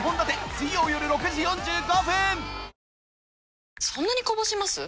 水曜よる６時４５分。